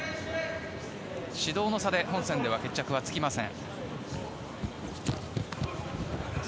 指導の差では本戦は決着はつきません。